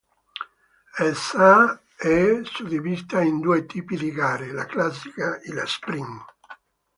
Essa è suddivisa in due tipi di gare: la classica e la sprint.